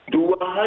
dua hari yang lalu